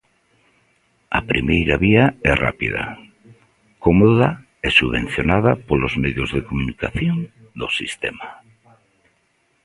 A primeira vía é rápida, cómoda e subvencionada polos medios de comunicación do sistema.